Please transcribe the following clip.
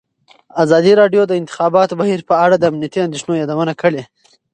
ازادي راډیو د د انتخاباتو بهیر په اړه د امنیتي اندېښنو یادونه کړې.